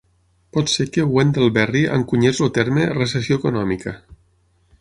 Pot ser que Wendell Berry encunyés el terme "recessió econòmica".